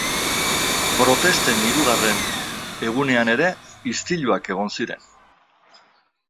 Protesten hirugarren egunean ere, istiluak egon ziren.